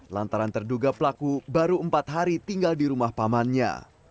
lantaran terduga pelaku baru empat hari tinggal di rumah pamannya